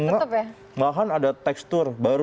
nah malahan ada tekstur baru